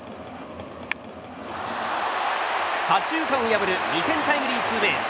左中間を破る２点タイムリーツーベース。